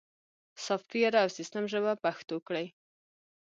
سافت ویر او سیستم ژبه پښتو کړئ